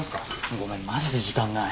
ごめんマジで時間ない。